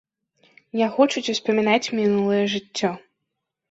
Не хочуць успамінаць мінулае жыццё.